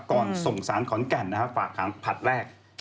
ก่อนส่งสารขอนแก่นฝากทางพัดแรก